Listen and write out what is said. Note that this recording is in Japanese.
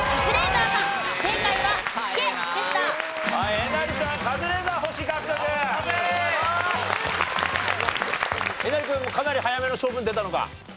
えなり君もかなり早めの勝負に出たのか？